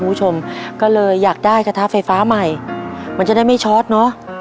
คุณผู้ชมก็เลยอยากได้กระทะไฟฟ้าใหม่มันจะได้ไม่ชอตเนอะ